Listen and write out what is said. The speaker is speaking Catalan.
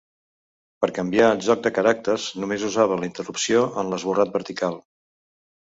Per canviar el joc de caràcters només usava la interrupció en l'esborrat vertical.